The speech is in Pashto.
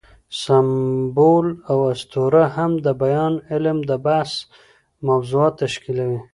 سمبول او اسطوره هم د بیان علم د بحث موضوعات تشکیلوي.